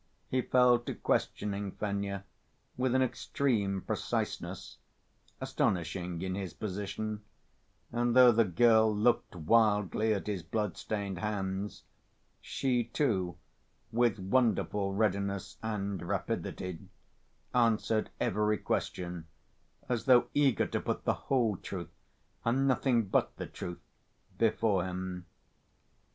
He fell to questioning Fenya with an extreme preciseness, astonishing in his position, and though the girl looked wildly at his blood‐stained hands, she, too, with wonderful readiness and rapidity, answered every question as though eager to put the whole truth and nothing but the truth before him.